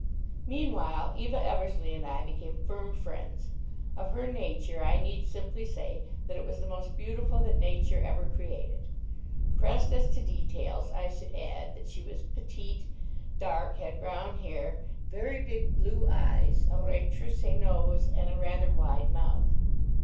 Meanwhile, Eva Eversleigh and I became firm friends. Of her person I need simply say that it was the most beautiful that Nature ever created. Pressed as to details, I should add that she was petite, dark, had brown hair, very big blue eyes, a retroussé nose, and a rather wide mouth.